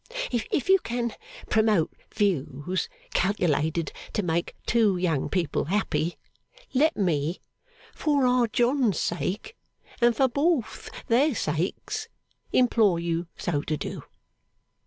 If you can promote views calculated to make two young people happy, let me, for Our John's sake, and for both their sakes, implore you so to do!